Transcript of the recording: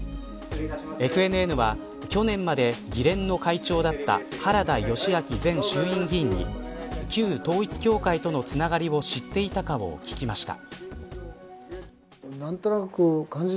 ＦＮＮは去年まで議連の会長だった原田義昭前衆議院議員に旧統一教会とのつながりを知っていたかを聞きました。